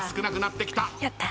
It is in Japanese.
やった！